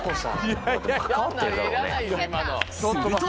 すると。